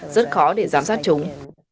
rất khó để giám sát chúng